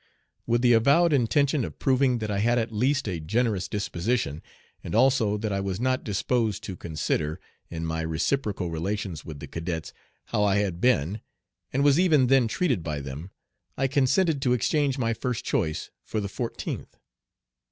With the avowed intention of proving that I had at least a generous disposition, and also that I was not disposed to consider, in my reciprocal relations with the cadets, how I had been, and was even then treated by them, I consented to exchange my first choice for the fourteenth.